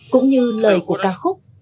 cũng như lời của ca khúc